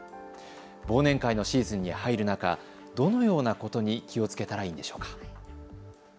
忘年会のシーズンに入る中、どのようなことに気をつけたらいいんでしょうか。